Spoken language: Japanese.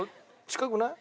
近くない？